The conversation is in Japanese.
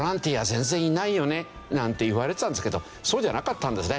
全然いないよねなんていわれてたんですけどそうじゃなかったんですね。